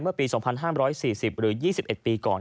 เมื่อปี๒๕๔๐หรือ๒๑ปีก่อน